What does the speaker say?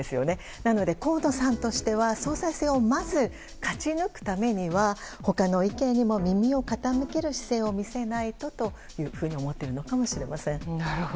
なので、河野さんとしては総裁選をまず勝ち抜くためには他の意見にも耳を傾ける姿勢を見せないとと思っているのかもしれません。